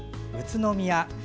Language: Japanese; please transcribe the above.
宇都宮。